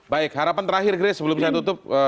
baik harapan terakhir grace sebelum saya tutup